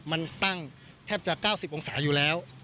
มันตั้งแทบจะ๙๐องศาอยู่แล้ว